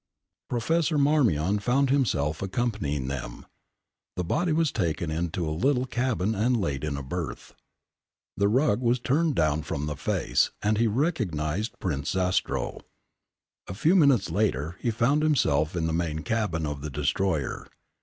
Professor Marmion found himself accompanying them. The body was taken into a little cabin and laid in a berth. The rug was turned down from the face, and he recognised Prince Zastrow. A few minutes later he found himself in the main cabin of the destroyer.